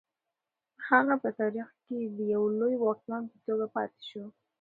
هغه په تاریخ کې د یو لوی واکمن په توګه پاتې شو.